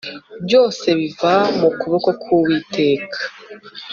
byose biva mu kuboko k’Uwiteka